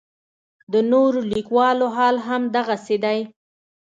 د نورو لیکوالو حال هم دغسې دی.